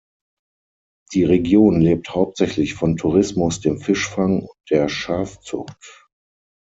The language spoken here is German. Die Region lebt hauptsächlich von Tourismus, dem Fischfang und der Schafzucht.